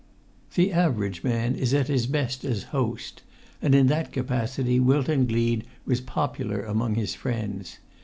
The average man is at his best as host, and in that capacity Wilton Gleed was popular among his friends.